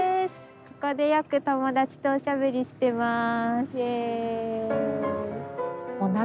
ここでよく友達とおしゃべりしてます。